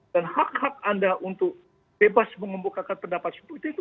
dan hak hak anda untuk bebas mengubahkan pendapat seperti itu